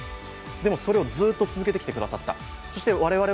でも、それをずっと続けてきてくださった。